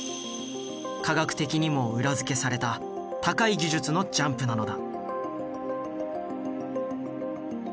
科学的にも裏付けされた高い技術のジャンプなのだ。